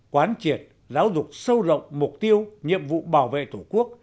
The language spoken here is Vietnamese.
quán triệt giáo dục sâu rộng mục tiêu nhiệm vụ bảo vệ tổ quốc